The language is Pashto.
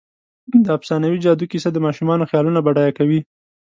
د افسانوي جادو کیسه د ماشومانو خیالونه بډایه کوي.